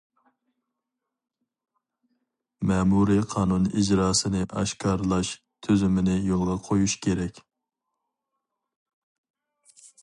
مەمۇرىي قانۇن ئىجراسىنى ئاشكارىلاش تۈزۈمىنى يولغا قويۇش كېرەك.